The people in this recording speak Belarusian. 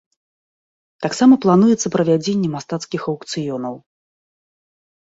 Таксама плануецца правядзенне мастацкіх аўкцыёнаў.